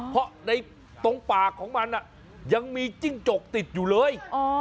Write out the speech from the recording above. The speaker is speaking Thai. เพราะในตรงปากของมันยังมีจิ้งจกติดอยู่เลย